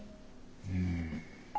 うん。